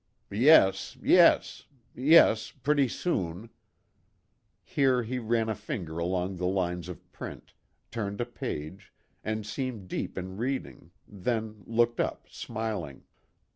" Yes, yes, yes pretty soon " THE GOOD SAMARITAN. 173 here he ran a finger along the lines of print, turned a page, and seemed deep in reading, then looked up, smiling.